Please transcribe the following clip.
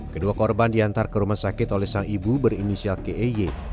kedua korban diantar ke rumah sakit oleh sang ibu berinisial key